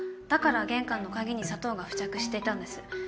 だから玄関の鍵に砂糖が付着していたんです。